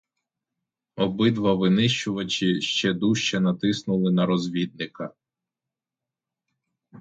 Обидва винищувачі ще дужче натиснули на розвідника.